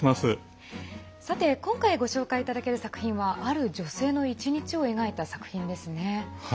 さて、今回ご紹介いただける作品はある女性の１日を描いた映画ですね。